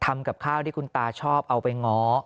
ทำกับข้าวที่คุณตาชอบเอาไปง้อ